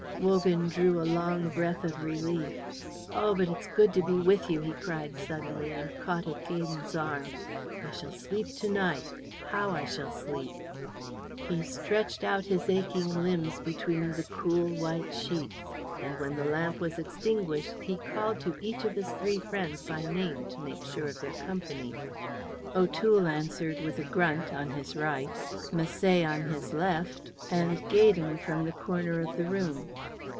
Wogan drew a long breath of relief. "Oh! but it's good to be with you," he cried suddenly, and caught at Gaydon's arm. "I shall sleep to night. How I shall sleep!" He stretched out his aching limbs between the cool white sheets, and when the lamp was extinguished he called to each of his three friends by name to make sure of their company. O'Toole answered with a grunt on his right, Misset on his left, and Gaydon from the corner of the room.